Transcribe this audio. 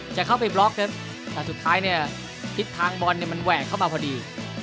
จะเข้าไปบล็อกครับแต่สุดท้ายเนี่ยทิศทางบอลเนี่ยมันแหวกเข้ามาพอดี